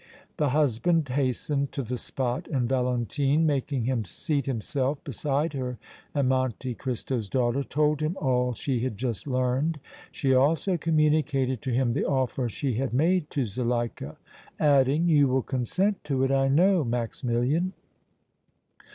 The husband hastened to the spot, and Valentine, making him seat himself beside her and Monte Cristo's daughter, told him all she had just learned. She also communicated to him the offer she had made to Zuleika, adding: "You will consent to it, I know, Maximilian!"